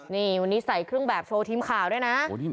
นี่วันนี้ใส่เครื่องแบบโชว์ทีมข่าวด้วยนะ